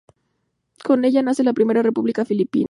Con ella nace la Primera República Filipina.